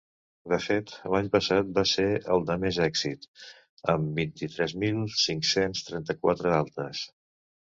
De fet, l’any passat va ser el de més èxit, amb vint-i-tres mil cinc-cents trenta-quatre altes.